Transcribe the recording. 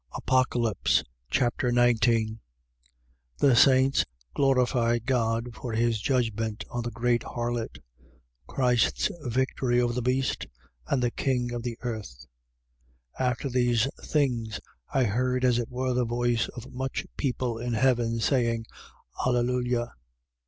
Apocalypse Chapter 19 The saints glorify God for his judgments on the great harlot. Christ's victory over the beast and the kings of the earth. 19:1. After these things, I heard as it were the voice of much people in heaven, saying: Alleluia.